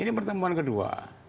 ini pertemuan kedua